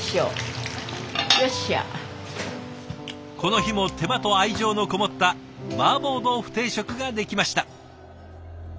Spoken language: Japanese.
この日も手間と愛情のこもったマーボー豆腐定食が出来ました。